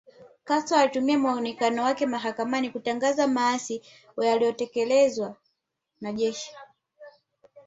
Castro alitumia muonekano wake mahakamani kutangaza maasi yaliyotekelezwa na jeshi